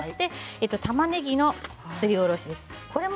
たまねぎのすりおろしです。